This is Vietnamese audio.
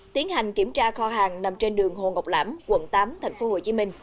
tiến hành kiểm tra kho hàng nằm trên đường hồ ngọc lãm quận tám tp hcm